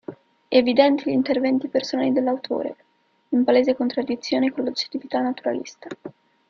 Evidenti gli interventi personali dell'autore, in palese contraddizione con l'"oggettività" naturalista.